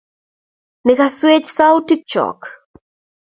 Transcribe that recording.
Ne kaswech sa-utikyok.